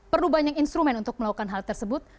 perlu banyak instrumen untuk melakukan hal tersebut